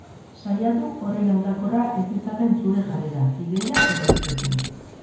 Saiatu horren aldakorra ez izaten zure jarrera, ideia eta hitzekin.